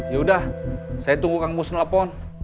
ya udah saya tunggu kang mus telepon